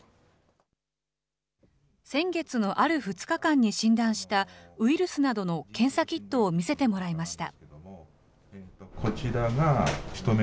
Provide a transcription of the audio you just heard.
先月のある２日間に診断したウイルスなどの検査キットを見せてもらいました。